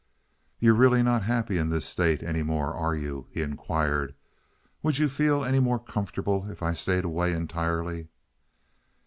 "You're really not happy in this state, any more, are you?" he inquired. "Would you feel any more comfortable if I stayed away entirely?"